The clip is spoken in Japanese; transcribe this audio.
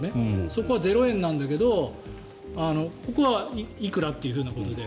そこはゼロ円なんだけどここはいくらっていうことで。